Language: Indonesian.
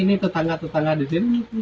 ini tetangga tetangga di sini